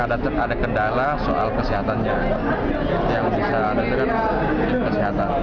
ada kendala soal kesehatannya yang bisa dengan kesehatan